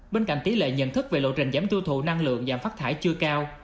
bên cạnh tỷ lệ nhận thức về lộ trình giảm tiêu thụ năng lượng giảm phát thải chưa cao